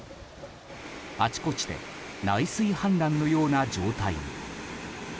あちこちで内水氾濫のような状態に。